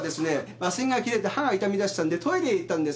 麻酔が切れ歯が痛みだしたんでトイレへ行ったんです。